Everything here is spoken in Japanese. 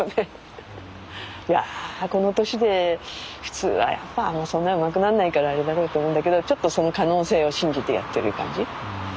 いやこの年で普通はやっぱもうそんなうまくなんないからあれだろうと思うんだけどちょっとその可能性を信じてやってる感じ？